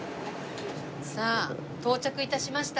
さあ到着致しました。